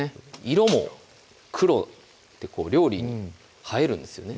色も黒で料理に映えるんですよね